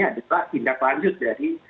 adalah tindaklanjut dari